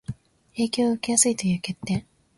影響を受けやすいという欠点